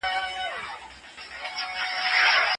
احمد شاه ابدالي څنګه د ګاونډیو سره همږغي وساتله؟